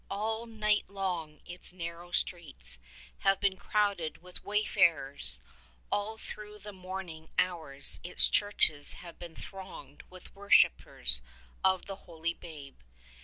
All night long its narrow streets have been crowded with wayfarers; all through the morn ing hours its churches have been thronged with worshippers of the Holy Babe.